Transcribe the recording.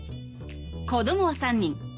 子供は３人。